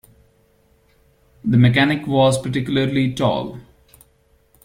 The mechanic was particularly tall.